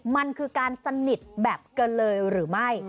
มันคือการสนิทแบบเกินเลยหรือไม่